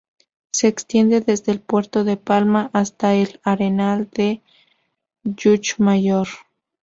Se extiende desde el puerto de Palma hasta El Arenal de Lluchmayor.